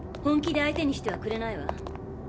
本気で相手にしてはくれないわ。